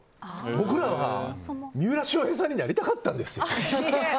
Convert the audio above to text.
僕らは三浦翔平さんになりたかったんですよ。